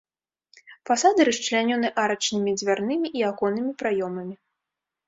Фасады расчлянёны арачнымі дзвярнымі і аконнымі праёмамі.